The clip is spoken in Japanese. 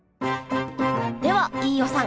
では飯尾さん